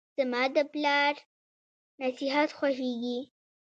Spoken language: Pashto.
زماد پلار نصیحت خوښیږي.